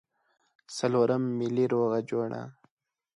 څلورم ملي روغه جوړه.